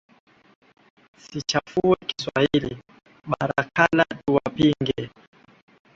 Sichafue kiswahili, barakala tuwapinge,